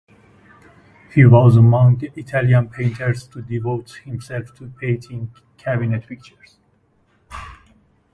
He was among the Italian painters to devote himself to painting cabinet pictures.